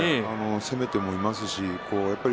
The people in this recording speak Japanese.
攻めていますし。